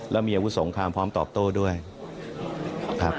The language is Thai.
แล้วมีอาวุธสงครามพร้อมตอบโต้ด้วยครับ